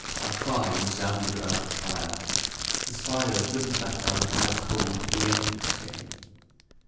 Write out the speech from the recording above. A cry resounded about the pyre. The spider, driven back by the live coals, reëntered its cave.